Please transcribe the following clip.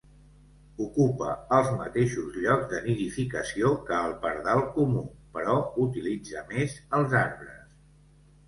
Ocupa els mateixos llocs de nidificació que el pardal comú, però utilitza més els arbres.